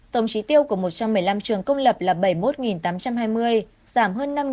tổng trí tiêu của một trăm một mươi năm trường công lập là bảy mươi một tám trăm hai mươi giảm hơn năm ba trăm linh